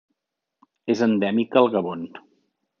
És endèmica al Gabon.